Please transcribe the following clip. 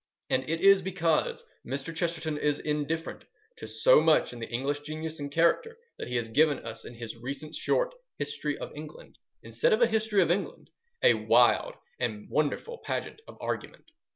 And it is because Mr. Chesterton is indifferent to so much in the English genius and character that he has given us in his recent short History of England, instead of a History of England, a wild and wonderful pageant of argument.